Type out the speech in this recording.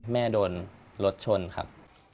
แม่โดนรถชนครับ